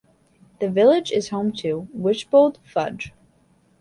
The village is also home to Wychbold Fudge.